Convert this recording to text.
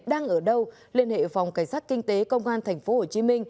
đang ở đâu liên hệ phòng cảnh sát kinh tế công an tp hcm